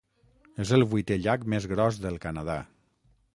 És el vuitè llac més gros del Canadà.